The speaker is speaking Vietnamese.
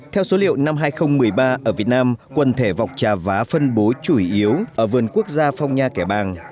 theo số liệu năm hai nghìn một mươi ba ở việt nam quần thể vọc trà vá phân bố chủ yếu ở vườn quốc gia phong nha kẻ bàng